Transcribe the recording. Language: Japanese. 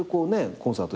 コンサート